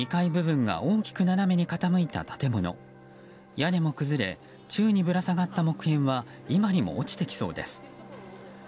屋根も崩れ、宙にぶら下がった木片は今にも落ちてきそうです。